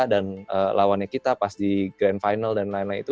dan lawannya kita pas di grand final dan lain lain itu